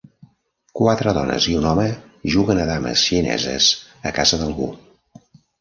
Quatre dones i un home juguen a dames xineses a casa d'algú.